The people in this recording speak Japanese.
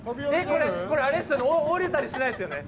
これ折れたりしないですよね。